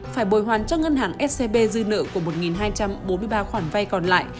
phải bồi hoàn cho ngân hàng scb dư nợ của một hai trăm bốn mươi ba khoản vay còn lại